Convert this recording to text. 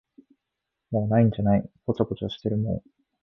もう無いんじゃない、ぽちゃぽちゃしてるもん。